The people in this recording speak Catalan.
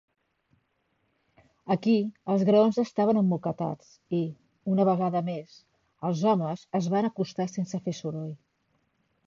Aquí els graons estaven emmoquetats i, una vegada més, els homes es van acostar sense fer soroll.